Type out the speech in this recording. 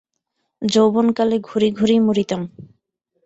যৌবনকালে ঘড়ি ঘড়ি মরিতাম।